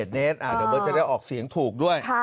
เมตรเดี๋ยวเบิร์ตจะได้ออกเสียงถูกด้วย